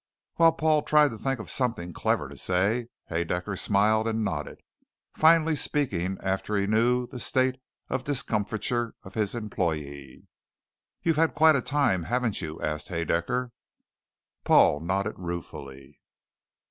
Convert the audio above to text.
While Paul tried to think of something clever to say, Haedaecker smiled and nodded, finally speaking after he knew the state of discomfiture of his employee. "You've had quite a time, haven't you?" asked Haedaecker. Paul nodded ruefully.